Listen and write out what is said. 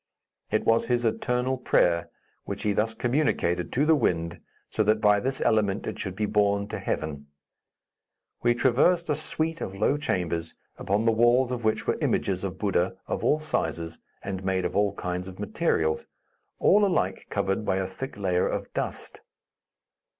It was his eternal prayer, which he thus communicated to the wind, so that by this element it should be borne to Heaven. We traversed a suite of low chambers, upon the walls of which were images of Buddha, of all sizes and made of all kinds of materials, all alike covered by a thick layer of dust.